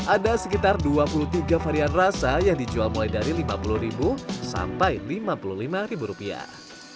ada sekitar dua puluh tiga varian rasa yang dijual mulai dari lima puluh sampai lima puluh lima rupiah